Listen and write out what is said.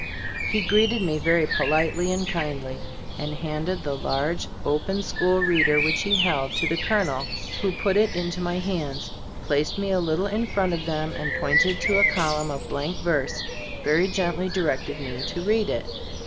He greeted me very politely and kindly, and handed the large, open school reader which he held, to the colonel, who put it into my hands, placed me a little in front of them, and pointing to a column of blank verse, very gently directed me to read it.